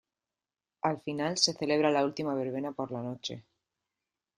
Al final se celebra la última verbena por la noche.